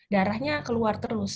darahnya keluar terus